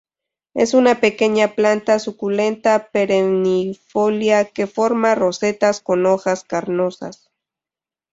Es una pequeña planta suculenta perennifolia que forma rosetas con hojas carnosas.